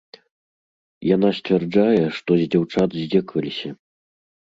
Яна сцвярджае, што з дзяўчат здзекаваліся.